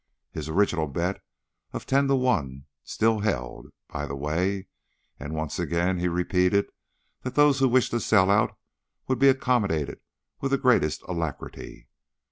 His original bet of ten to one still held, by the way, and once again he repeated that those who wished to sell out would be accommodated with the greatest alacrity.